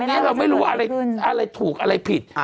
อันนี้เราไม่รู้อะไรถูกอะไรผิด